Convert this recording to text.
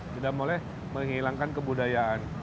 tidak boleh menghilangkan kebudayaan